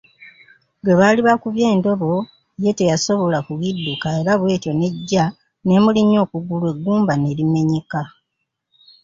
Gwe baali bakubye endobo ye teyasobola kugidduka era bwetyo n’ejja nemulinnya okugulu eggumba ne limenyeka.